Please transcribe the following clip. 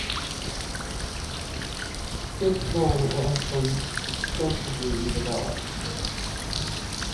Since then it has been extensively redeveloped.